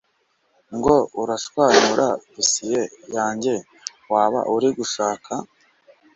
ngo urashwanyura dosiye yajye waba urigushaka